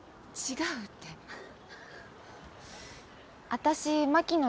私牧野